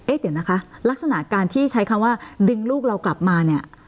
เดี๋ยวนะคะลักษณะการที่ใช้คำว่าดึงลูกเรากลับมาเนี่ย